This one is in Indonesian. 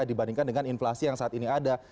dibandingkan dengan inflasi yang saat ini ada